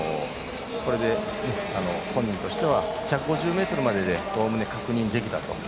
本人としては１５０ｍまででおおむね確認できたと。